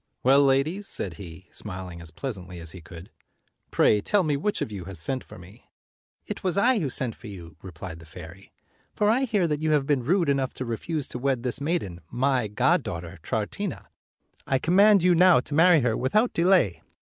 "Well, ladies," said he, smiling as pleasantly as he could, "pray tell me which of you has sent for me." " It was I who sent for you," replied the fairy; "for I hear that you have been rude enough to refuse to wed this maiden, my goddaughter Troutina. I command you now to marry her without delay."